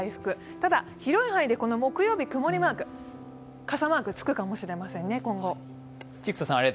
ただ、広い範囲で木曜日、曇りマーク、傘マークつくかもしれませんね、今後。